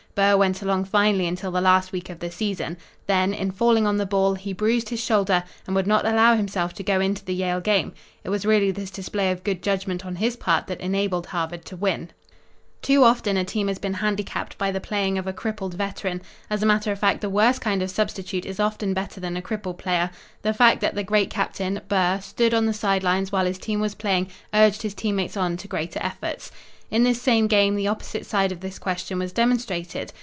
Burr went along finely until the last week of the season. Then, in falling on the ball, he bruised his shoulder, and would not allow himself to go into the Yale game. It was really this display of good judgment on his part that enabled Harvard to win. "Too often a team has been handicapped by the playing of a crippled veteran. As a matter of fact, the worst kind of a substitute is often better than a crippled player. The fact that the great captain, Burr, stood on the side lines while his team was playing, urged his team mates on to greater efforts. "In this same game the opposite side of this question was demonstrated.